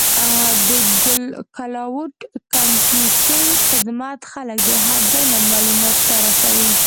د کلاؤډ کمپیوټینګ خدمات خلک د هر ځای نه معلوماتو ته رسوي.